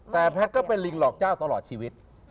แต่แพทย์ก็เป็นลิงหลอกเจ้าตลอดชีวิต